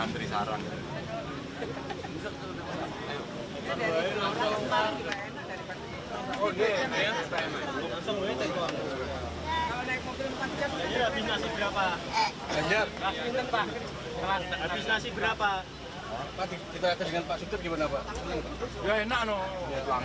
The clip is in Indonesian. kita lihat dengan pak suter gimana pak